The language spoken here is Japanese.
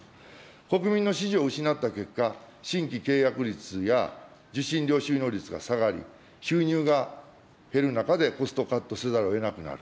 国民の支持を失った結果、新規契約率や受信料収納率が下がり、収入が減る中でコストカットせざるをえなくなる。